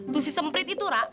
tuh si semprit itu ra